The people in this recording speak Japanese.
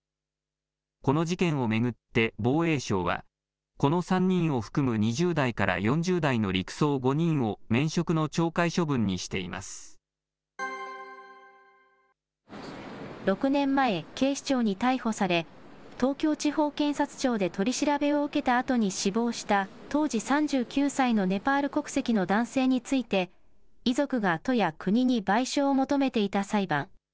この事件を巡って防衛省は、この３人を含む２０代から４０代の陸曹５人を免職の懲戒処分にし６年前、警視庁に逮捕され、東京地方検察庁で取り調べを受けたあとに死亡した、当時３９歳のネパール国籍の男性について、遺族が都や国に賠償を求めていた裁判。